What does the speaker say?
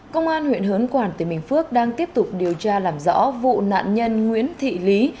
công an huyện hớn quản tỉnh bình phước đang tiếp tục điều tra làm rõ vụ nạn nhân nguyễn thị lý